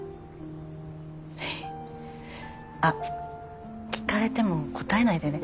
あっ聞かれても答えないでね。